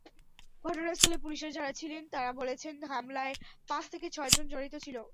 ঘটনাস্থলে পুলিশের যাঁরা ছিলেন, তাঁরা বলছেন, হামলায় পাঁচ থেকে ছয়জন জড়িত ছিল।